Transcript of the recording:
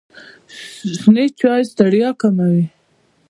شنې چایی ستړیا کموي.